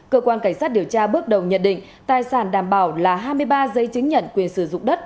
cơ quan cảnh sát điều tra bước đầu nhận định tài sản đảm bảo là hai mươi ba giấy chứng nhận quyền sử dụng đất